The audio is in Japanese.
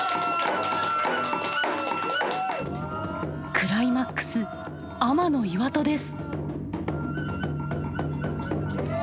クライマックス天の岩戸です。